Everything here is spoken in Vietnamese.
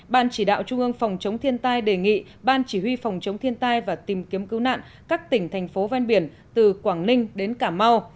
ban chỉ đạo trung ương phòng chống thiên tai đề nghị ban chỉ huy phòng chống thiên tai và tìm kiếm cứu nạn các tỉnh thành phố ven biển từ quảng ninh đến cà mau